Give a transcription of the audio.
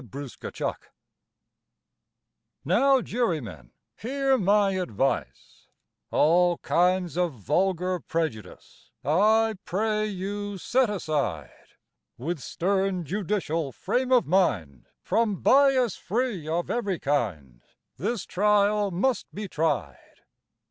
THE USHER'S CHARGE NOW, Jurymen, hear my advice— All kinds of vulgar prejudice I pray you set aside: With stern judicial frame of mind— From bias free of every kind, This trial must be tried!